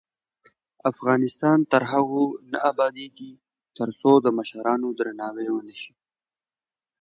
افغانستان تر هغو نه ابادیږي، ترڅو د مشرانو درناوی ونشي.